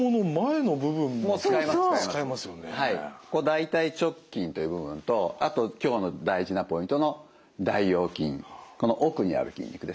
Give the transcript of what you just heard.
大腿直筋という部分とあと今日の大事なポイントの大腰筋この奥にある筋肉ですね